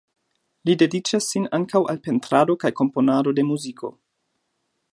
Li dediĉas sin ankaŭ al pentrado kaj komponado de muziko.